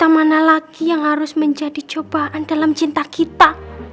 akan jadi kenangan kalian dan juga